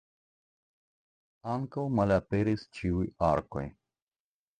Ankaŭ malaperis ĉiuj arkoj.